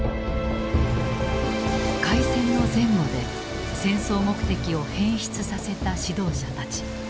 開戦の前後で戦争目的を変質させた指導者たち。